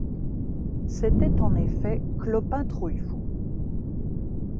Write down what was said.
C’était en effet Clopin Trouillefou.